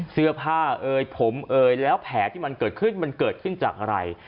เสื้อผ้าเอ่ยผมเอ่ยแล้วแผลที่มันเกิดขึ้นมันเกิดขึ้นจากอะไร